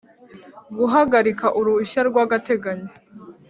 guhagarika uruhushya rw agateganyo